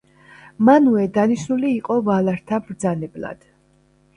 მანუე დანიშნული იყო ვალართა მბრძანებლად.